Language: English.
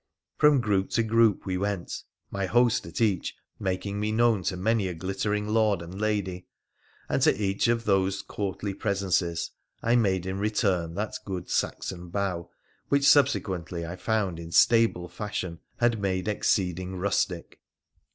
From group to group we went, my host at each making me known to many a glittering lord and lady, and to each of those courtly presences I made in return that good Saxon bow, which subsequently I found instable fashion had made exceeding rustic.